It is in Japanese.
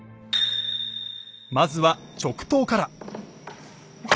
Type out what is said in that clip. まずは直刀から。